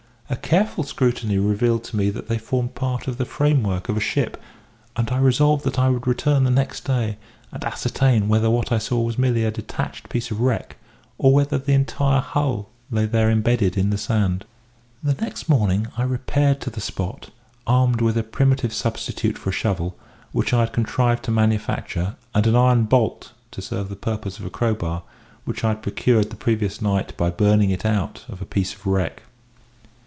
A careful scrutiny revealed to me that they formed part of the framework of a ship; and I resolved that I would return the next day and ascertain whether what I saw was merely a detached piece of wreck, or whether the entire hull lay there embedded in the sand. "The next morning I repaired to the spot, armed with a primitive substitute for a shovel, which I had contrived to manufacture, and an iron bolt, to serve the purpose of a crow bar, which I had procured the previous night by burning it out of a piece of wreck.